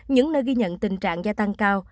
những nơi ghi nhận tình trạng gia tăng cao